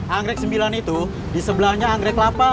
anggrek sembilan itu di sebelahnya anggrek kelapa